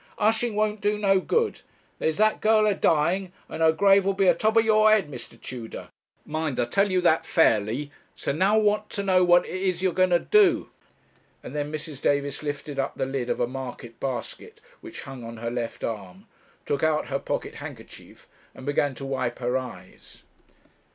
'Hushing won't do no good; there's that girl a dying, and her grave'll be a top of your head, Mr. Tudor; mind I tell you that fairly; so now I want to know what it to you're a going to do.' And then Mrs. Davis lifted up the lid of a market basket which hung on her left arm, took out her pocket handkerchief, and began to wipe her eyes.